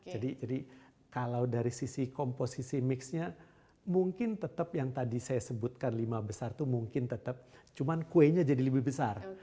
jadi kalau dari sisi komposisi mixnya mungkin tetap yang tadi saya sebutkan lima besar itu mungkin tetap cuman kuenya jadi lebih besar